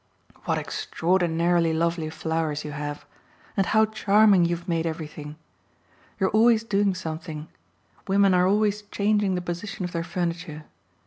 "What extraordinarily lovely flowers you have and how charming you've made everything! You're always doing something women are always changing the position of their furniture.